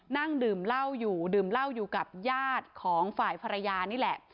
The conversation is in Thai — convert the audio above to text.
นั่งดื่มเหล้าอยู่ดื่มเหล้าอยู่กับญาติของฝ่ายภรรยานี่แหละ